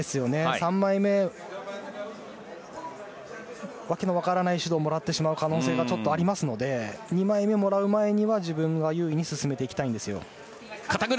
３枚目、訳の分からない指導をもらってしまう可能性があるので２枚目もらう前には自分が優位に進めていきたいです。